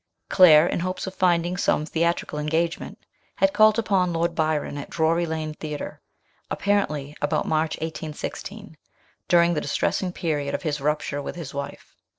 Claire, in hopes of finding some theatrical engagement, had called upon Lord Byron at Dury Lane Theatre, apparently about March 1816, during the distressing period of his rupture with his wife.